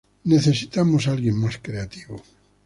Necesitábamos alguien más creativo".